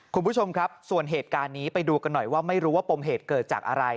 คุณผู้ชมครับส่วนเหตุการณ์นี้ไปดูกันหน่อยว่าไม่รู้ว่าปมเหตุเกิดจากอะไร